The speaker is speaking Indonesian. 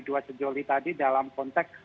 dua sejoli tadi dalam konteks